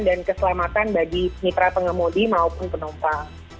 dan keselamatan bagi mitra pengemudi maupun penumpang